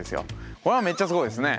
これはめっちゃすごいですね。